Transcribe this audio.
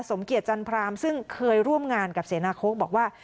สมเกียจจันทรามซึ่งเคยร่วมงานกับเสนาโค้กบอกว่า